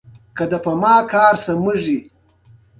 په نړۍ کښي وروسته پاته افراد بې تعلیمه اشخاص دي.